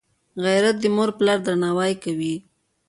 غیرت د موروپلار درناوی کوي